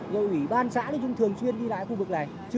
rồi ủy ban xã chúng thường xuyên đi lại khu vực này